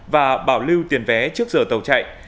và bảo lưu tiền vé trước giờ tàu chạy